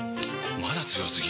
まだ強すぎ？！